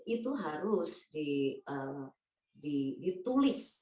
itu harus di